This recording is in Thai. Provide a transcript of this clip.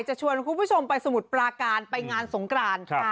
ชวนคุณผู้ชมไปสมุทรปราการไปงานสงกราน